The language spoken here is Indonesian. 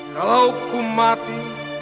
kalau ku mati